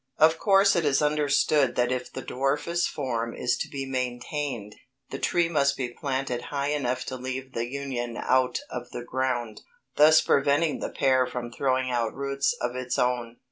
Of course, it is understood that if the dwarfest form is to be maintained, the tree must be planted high enough to leave the union out of the ground, thus preventing the pear from throwing out roots of its own.